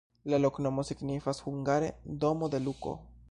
La loknomo signifas hungare: domo de Luko.